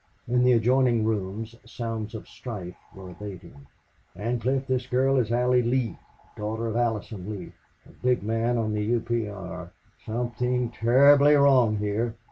In the adjoining rooms sounds of strife were abating. "Ancliffe, this girl is Allie Lee daughter of Allison Lee a big man of the U.P.R.... Something terribly wrong here."